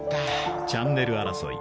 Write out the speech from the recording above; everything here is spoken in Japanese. チャンネル争い